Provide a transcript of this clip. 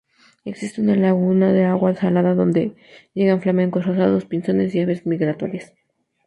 Existe una laguna de agua salada donde llegan flamencos rosados, pinzones y aves migratorias.